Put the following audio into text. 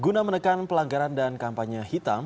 guna menekan pelanggaran dan kampanye hitam